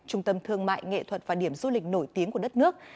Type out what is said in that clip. trung tâm thương mại nghệ thuật và điểm du lịch nổi tiếng của đất nước